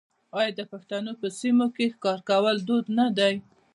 آیا د پښتنو په سیمو کې ښکار کول دود نه دی؟